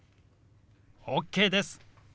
ＯＫです！